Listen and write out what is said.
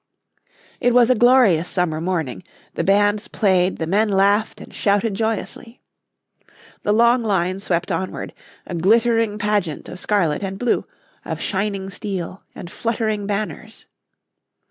It was a glorious summer morning; the bands played, the men laughed and shouted joyously. The long line swept onward, a glittering pageant of scarlet and blue, of shining steel and fluttering banners.